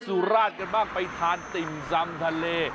สุราชกันมากไปทานติมซัมทะเล